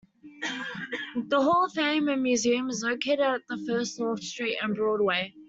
The Hall of Fame and museum is located at First North Street and Broadway.